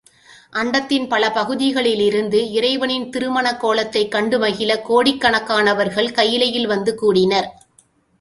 அண்டத்தின் பல பகுதிகளிலிருந்து இறைவனின் திரு மணக்கோலத்தைக் கண்டு மகிழக் கோடிக்கணக்கானவர் கயிலையில் வந்து கூடினர்.